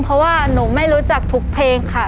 เพราะว่าหนูไม่รู้จักทุกเพลงค่ะ